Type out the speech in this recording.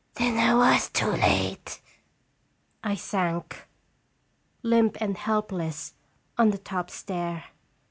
"Then I was too late !" I sank, limp and helpless, on the top stair.